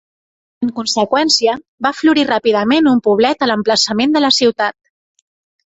En conseqüència, va florir ràpidament un poblet a l'emplaçament de la ciutat.